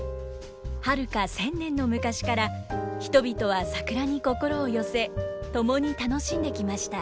はるか１，０００年の昔から人々は桜に心を寄せ共に楽しんできました。